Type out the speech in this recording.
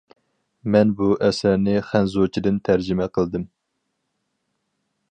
مەن بۇ ئەسەرنى خەنزۇچىدىن تەرجىمە قىلدىم.